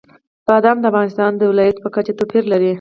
بادام د افغانستان د ولایاتو په کچه توپیر لري.